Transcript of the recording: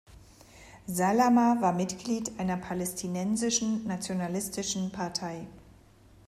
Salama war Mitglied einer palästinensischen nationalistischen Partei.